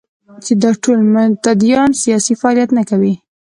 دا چې ټول متدینان سیاسي فعالیت نه کوي.